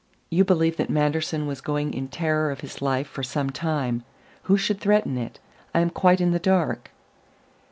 "You believe that Manderson was going in terror of his life for some time. Who should threaten it? I am quite in the dark."